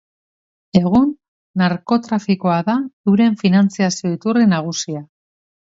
Egun narkotrafikoa da euren finantziazio-iturri nagusia.